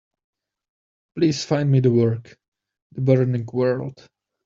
Please find me the work, The Burning World.